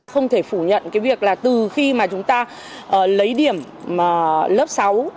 không thể phủ nhận cái việc là từ khi mà chúng ta lấy điểm lớp sáu